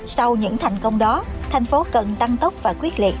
sau những thành công đó thành phố cần tăng tốc và quyết liệt